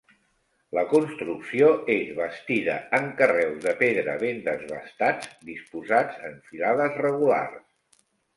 La construcció és bastida en carreus de pedra ben desbastats disposats en filades regulars.